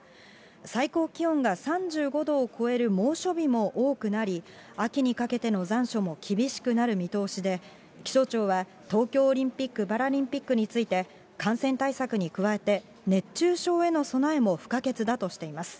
最高気温が３５度を超える猛暑日も多くなり、秋にかけての残暑も厳しくなる見通しで、気象庁は、東京オリンピック・パラリンピックについて、感染対策に加えて、熱中症への備えも不可欠だとしています。